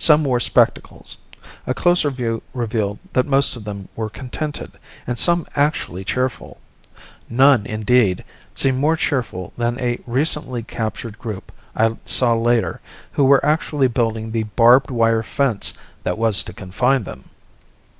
Some wore spectacles. A closer view revealed that most of them were contented, and some actually cheerful. None, indeed, seemed more cheerful than a recently captured group I saw later, who were actually building the barbed wire fence that was to confine them.